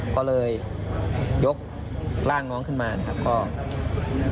ก็เลยยกร่างน้องขึ้นมานะครับก็